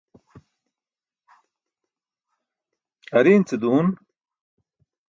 Ariin ce duun.